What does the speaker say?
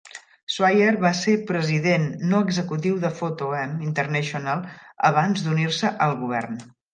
Swire va ser president no executiu de Photo-Em International abans d'unir-se al govern.